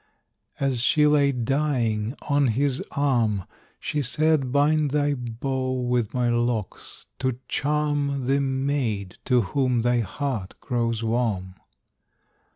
As she lay dying on his arm, She said, "Bind thy bow with my locks, to charm The maid to whom thy heart grows warm."